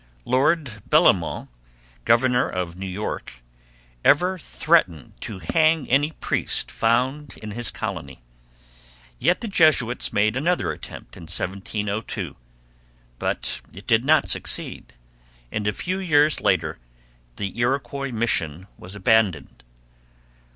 Lord Bellomont, governor of New York, even threatened to hang any priest found in his colony. Yet the Jesuits made another attempt in 1702; but it did not succeed, and a few years later the Iroquois mission was abandoned.